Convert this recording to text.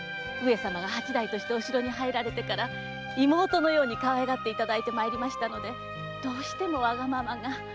上様が八代としてお城に入られてから妹のようにかわいがっていただいてまいりましたのでどうしてもわがままが。